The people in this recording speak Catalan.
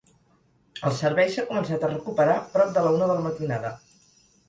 El servei s’ha començat a recuperar prop de la una de la matinada.